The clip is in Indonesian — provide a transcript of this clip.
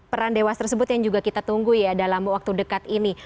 peran dewas tersebut yang juga kita tunggu ya dalam waktu dekat ini